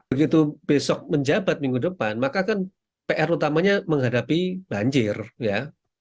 begitu besok menjabat minggu depan maka kan pr utamanya menghadapi banjir ya